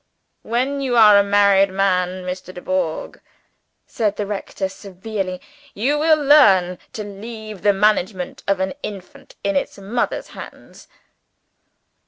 "When you are a married man, Mr. Dubourg," said the rector severely, "you will learn to leave the management of an infant in its mother's hands."